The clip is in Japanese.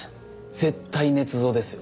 絶対捏造ですよ。